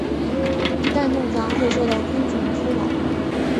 一旦弄脏会受到昆虫滋扰。